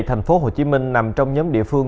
thành phố hồ chí minh nằm trong nhóm địa phương